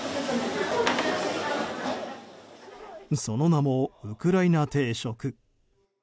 その名も、ウクライナ定食。